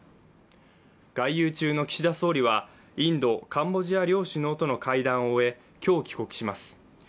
外遊中の岸田総理は、インド・カンボジア両首脳との会談を終え、今日、帰国します。